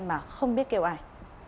mà không biết kêu ai